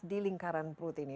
di lingkaran perut ini